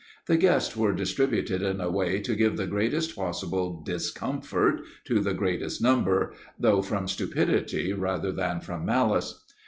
The guests were distributed in a way to give the greatest possible discomfort to the greatest number, though from stupidity rather than from malice.